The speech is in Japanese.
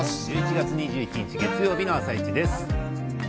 １１月２１日月曜日の「あさイチ」です。